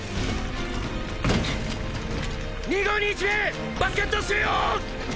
２５２１名バスケット収容！